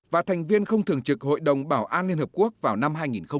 và thành viên không thường trực hội đồng bảo an liên hợp quốc vào năm hai nghìn hai mươi